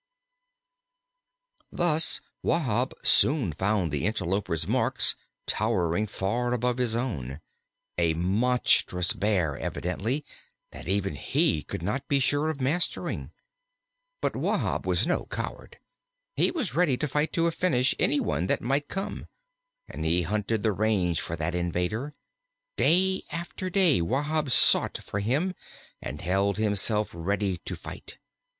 Thus Wahb soon found the interloper's marks towering far above his own a monstrous Bear evidently, that even he could not be sure of mastering. But Wahb was no coward. He was ready to fight to a finish anyone that might come; and he hunted the range for that invader. Day after day Wahb sought for him and held himself ready to fight.